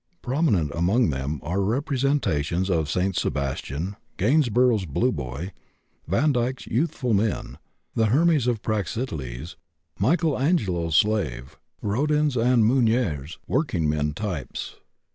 Prominent among them are representations of St. Sebastian, Gainsborough's Blue Boy, Vandyck's youthful men, the Hermes of Praxiteles, Michelangelo's Slave, Rodin's and Meunier's working men types.